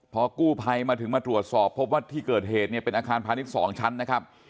พอกู้ภัยมาถึงมาตรวจสอบพบว่าที่เกิดเหตุเนี่ยเป็นอาคารพาณิชย์๒ชั้นนะครับ